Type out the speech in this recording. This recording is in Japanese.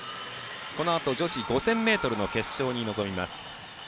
このあと女子５０００ｍ決勝に臨みます。